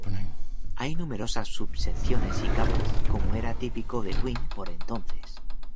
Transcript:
Hay numerosas subsecciones y capas, como era típico de Queen por entonces.